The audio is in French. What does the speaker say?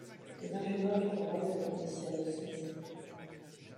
Les infusoires du corail, répondit Cyrus Smith.